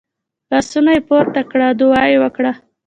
لاسونه یې پورته کړه او دعا یې وکړه .